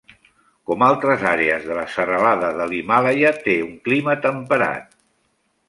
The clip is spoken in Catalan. Com altres àrees de la serralada de l'Himàlaia, té un clima temperat.